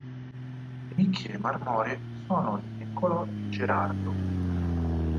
Le nicchie marmoree sono di Niccolò di Gerardo.